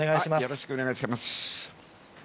よろしくお願いします。